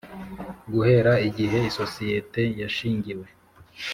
Guhera igihe isosiyete yashingiwe